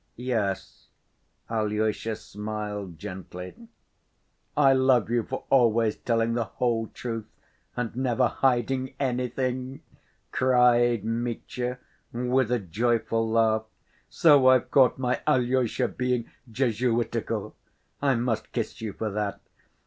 "Yes." Alyosha smiled gently. "I love you for always telling the whole truth and never hiding anything," cried Mitya, with a joyful laugh. "So I've caught my Alyosha being Jesuitical. I must kiss you for that.